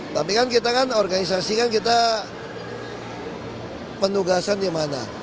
tapi kan kita kan organisasi kan kita penugasan di mana